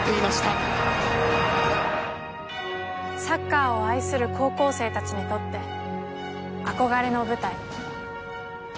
サッカーを愛する高校生たちにとって憧れの舞台。